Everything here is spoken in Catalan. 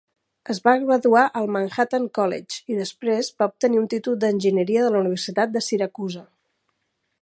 Es va graduar al Manhattan College i després va obtenir un títol d'Enginyeria de la Universitat de Syracuse.